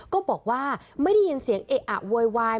ก็บอกว่าไม่ได้ยินเสียงเอะอะโวยวาย